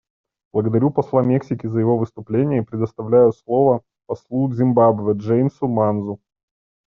Благодарю посла Мексики за его выступление и предоставляю слово послу Зимбабве Джеймсу Манзу.